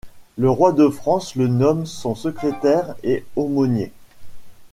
Le roi de France le nomme son secrétaire et aumônier.